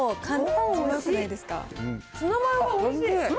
ツナマヨがおいしい。